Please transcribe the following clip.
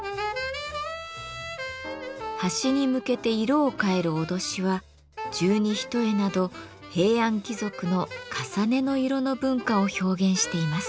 端に向けて色を変える威しは十二単など平安貴族のかさねの色の文化を表現しています。